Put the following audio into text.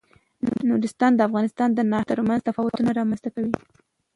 نورستان د افغانستان د ناحیو ترمنځ تفاوتونه رامنځ ته کوي.